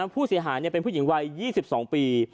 ผู้เสียหายเป็นผู้หญิงวัย๒๒ปี